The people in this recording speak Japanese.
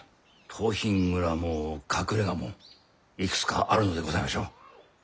盗品蔵も隠れがもいくつかあるのでございましょう。